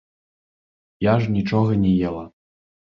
Я ж нічога не ела.